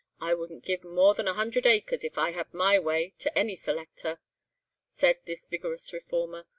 I wouldn't give more than a hundred acres, if I had my way, to any selector," said this vigorous reformer.